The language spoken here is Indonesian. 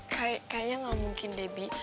kayaknya nggak mungkin debi